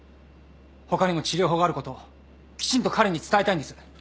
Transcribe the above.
他にも治療法があることきちんと彼に伝えたいんです。